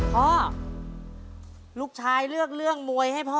พ่อลูกชายเลือกเรื่องมวยให้พ่อ